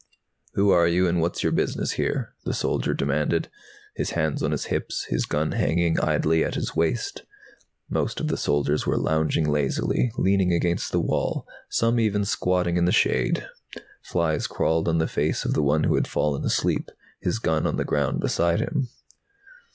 "Who are you and what's your business here?" the soldier demanded, his hands on his hips, his gun hanging idly at his waist. Most of the soldiers were lounging lazily, leaning against the wall, some even squatting in the shade. Flies crawled on the face of one who had fallen asleep, his gun on the ground beside him.